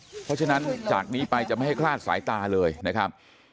เพราะฉะนั้นจากนี้ไปจะไม่ให้คลาดสายตาเลยนะครับ